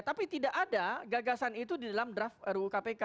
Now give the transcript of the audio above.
tapi tidak ada gagasan itu di dalam draft ru kpk